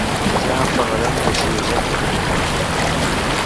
Ja en parlarem de si és ètic aquest banc